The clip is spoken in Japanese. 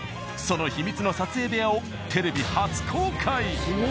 その秘密の撮影部屋をテレビ初公開。